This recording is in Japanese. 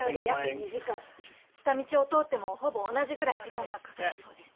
下道を通ってもほぼ同じぐらい時間がかかったそうです。